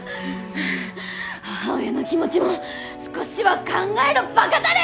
ハァ母親の気持ちも少しは考えろバカタレ！